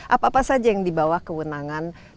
apa apa saja yang dibawah kewenangan